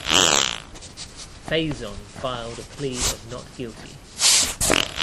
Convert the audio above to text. Faizon filed a plea of not guilty.